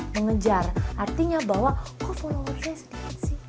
mengejar artinya bahwa kok followernya sedikit sih